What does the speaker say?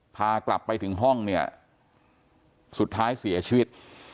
พากลับไปถึงห้องเนี่ยสุดท้ายเสียชีวิต